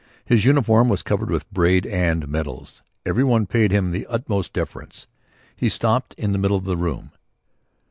His uniform was covered with braid and medals. Every one paid him the utmost deference. He stopped in the middle of the room.